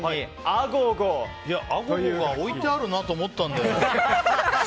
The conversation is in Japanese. アゴゴが置いてあるなと思ったんだよ。